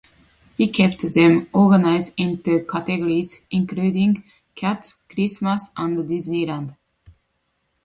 He kept them organized into categories, including cats, Christmas, and Disneyland.